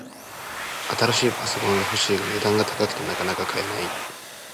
新しいパソコンが欲しいが、値段が高くてなかなか買えない